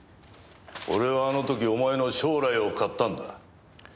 俺はあの時お前の将来を買ったんだ。